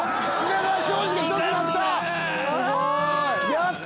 やった！